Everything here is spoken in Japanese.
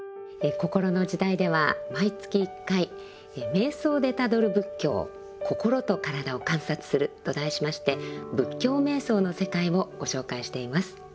「こころの時代」では毎月１回「瞑想でたどる仏教心と身体を観察する」と題しまして仏教瞑想の世界をご紹介しています。